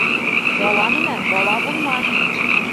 Бала менән бала булма.